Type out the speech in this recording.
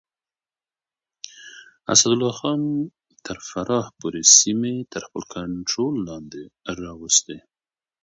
اسدالله خان تر فراه پورې سيمې تر خپل کنټرول لاندې راوستې.